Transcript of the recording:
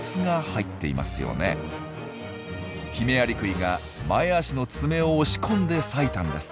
ヒメアリクイが前足の爪を押し込んで裂いたんです。